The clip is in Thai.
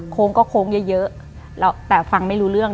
โค้งก็โค้งเยอะแต่ฟังไม่รู้เรื่อง